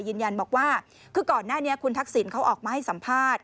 ยืนยันบอกว่าคือก่อนหน้านี้คุณทักษิณเขาออกมาให้สัมภาษณ์